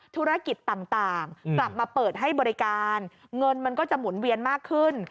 ธุรกิจต่างกลับมาเปิดให้บริการเงินมันก็จะหมุนเวียนมากขึ้น